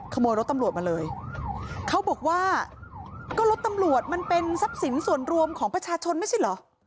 ขโมยรถตำรวจมาเลยเขาบอกว่าก็รถตำรวจมันเป็นทรัพย์สินส่วนรวมของประชาชนไม่ใช่เหรอ